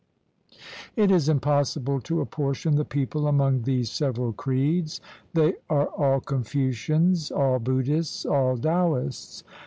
] It is impossible to apportion the people among these several creeds. They are all Confucians, all Buddhists, all Taoists.